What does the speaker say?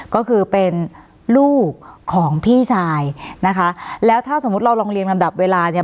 ก็คือเป็นลูกของพี่ชายนะคะแล้วถ้าสมมุติเราลองเรียงลำดับเวลาเนี่ย